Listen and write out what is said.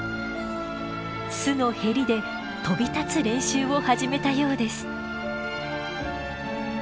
巣のへりで飛び立つ練習を始めたようです。